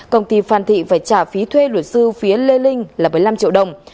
công ty phan thị phải trả phí thuê luật sư phía lê linh là một mươi năm triệu đồng